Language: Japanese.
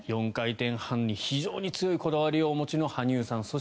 ４回転半に非常に強いこだわりをお持ちの羽生さん。